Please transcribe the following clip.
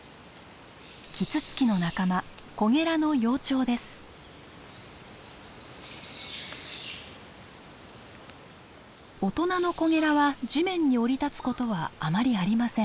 キツツキの仲間大人のコゲラは地面に降り立つことはあまりありません。